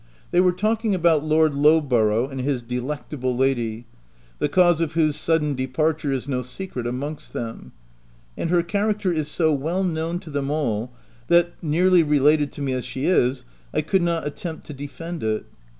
" They were talking about Lord Lowborough and his delectable lady, the cause of whose sudden de parture is no secret amongst them ; and her character is so well known to them all, that, nearly related to me as she is, I could not attempt to defend it.